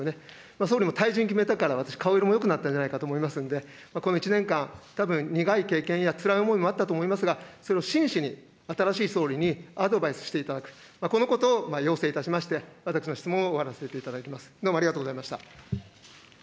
総理も退陣決めたから、私、顔色もよくなったんじゃないかと思いますので、この１年間、たぶん苦い経験やつらい思いもあったと思いますが、それを真摯に、新しい総理にアドバイスしていただく、このことを要請いたしまして、私の質問を終わらせていただきます。